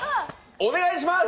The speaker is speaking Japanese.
お願いします！